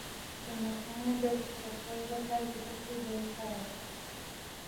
د نوکانو د کلکوالي لپاره د څه شي اوبه وکاروم؟